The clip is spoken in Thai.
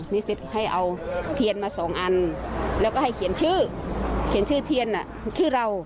นี่เสร็จให้เอาเทียนมาสองอันแล้วก็ให้เขียนชื่อเขียนชื่อเทียนชื่อเรา